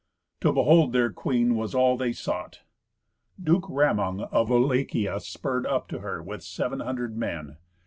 To behold their queen was all they sought. Duke Ramung of Wallachia spurred up to her with seven hundred men.